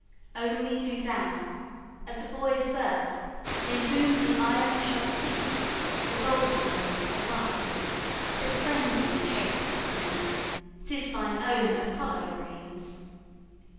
Only do thou, at the boy's birth in whom The iron shall cease, the golden race arise, Befriend him, chaste Lucina; 'tis thine own Apollo reigns.